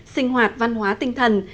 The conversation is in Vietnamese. sinh hoạt văn hóa tinh thần